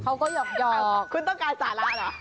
หยอกคุณต้องการสาระเหรอ